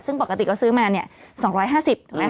ซึ่งปกติก็ซื้อมา๒๕๐บาทถูกไหมคะ